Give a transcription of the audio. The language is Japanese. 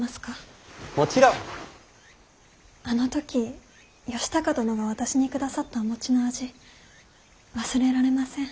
あの時義高殿が私に下さったお餅の味忘れられません。